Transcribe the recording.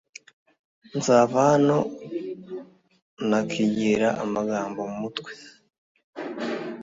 nzava hano nakigira amagambo mu mutwe